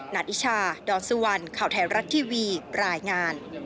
นัทอิชาดอนสุวรรณข่าวไทยรัฐทีวีรายงาน